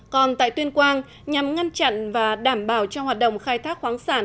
còn tại tuyên quang nhằm ngăn chặn và đảm bảo cho hoạt động khai thác khoáng sản